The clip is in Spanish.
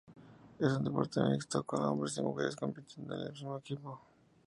Es un deporte mixto, con hombres y mujeres compitiendo en el mismo equipo.